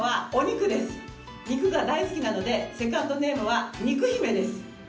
肉が大好きなのでセカンドネームはにく姫です。